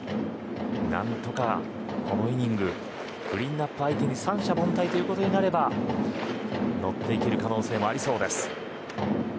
何とか、このイニングクリーンアップ相手に三者凡退となれば乗っていける可能性もありそうです。